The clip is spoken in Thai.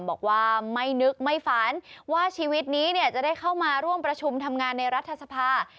บอกว่าไม่นึกไม่ฝันว่าชีวิตนี้จะได้เข้ามาร่วมประชุมทำงานในรัฐสภา